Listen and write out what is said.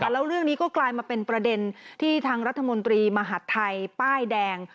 แล้วเรื่องนี้ก็กลายมาเป็นประเด็นที่ทางรัฐมนตรีมหาดไทยป้ายแดง